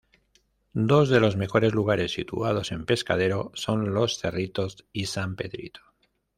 Dos de los mejores lugares situados en Pescadero son Los Cerritos y San Pedrito.